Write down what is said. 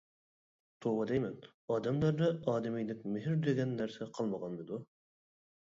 توۋا دەيمەن، ئادەملەردە ئادىمىيلىك مېھىر دېگەن نەرسە قالمىغانمىدۇ؟ !